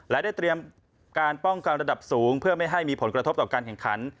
และได้เตรียมการป้องกันระดับสูงเพื่อไม่ให้มีผลกระทบต่อการแข่งขัน